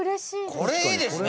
「これいいですね」